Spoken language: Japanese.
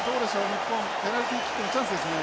日本ペナルティーキックのチャンスですね。